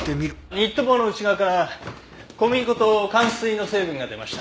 ニット帽の内側から小麦粉とかん水の成分が出ました。